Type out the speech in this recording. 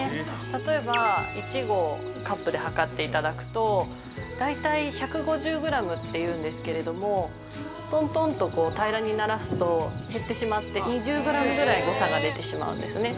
例えば、１合カップで計っていただくと大体１５０グラムっていうんですけれどもとんとんと平にならすと減ってしまって２０グラムぐらい誤差が出てしまうんですね。